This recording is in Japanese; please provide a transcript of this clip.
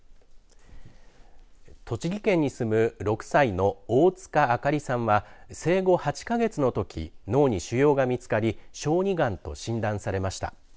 栃木県に住む６歳の大塚月さんは生後８か月のとき脳に腫瘍が見つかり小児がんと診断されました。